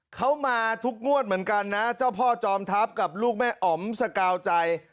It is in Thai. เขามาทุกงวดเหมือนกันนะเจ้าพ่อจอมทัพกับลูกแม่อ๋อมสกาวใจ